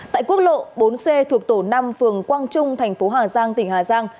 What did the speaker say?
tại quốc lộ bốn c thuộc tổ năm phường quang trung tp hà giang tỉnh hà giang